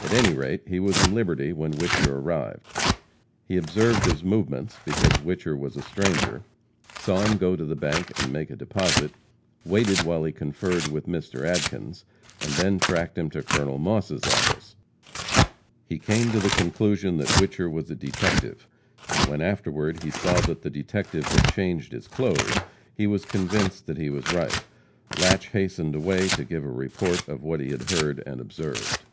At any rate, he was in Liberty when Whicher arrived. He observed his movements, because Whicher was a stranger; saw him go to the bank and make a deposit; waited while he conferred with Mr. Adkins, and then, tracked him to Col. Moss' office. He came to the conclusion that Whicher was a detective; and when afterward he saw that the detective had changed his clothes, he was convinced that he was right. Latche hastened away to give a report of what he had heard and observed.